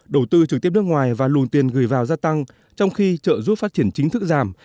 đầu tư trực tiếp nước ngoài và luồng tiền gửi vào gia tăng trong khi trợ giúp phát triển chính thức giảm